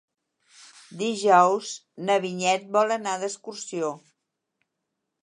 Dijous na Vinyet vol anar d'excursió.